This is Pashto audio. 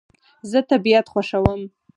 زه طبیعت خوښوم